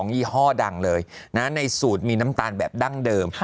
ยี่ห้อดังเลยนะในสูตรมีน้ำตาลแบบดั้งเดิม